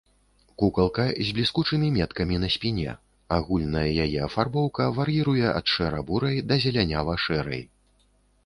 Кукалка з бліскучымі меткамі на спіне, агульная яе афарбоўка вар'іруе ад шэра-бурай да зелянява-шэрай.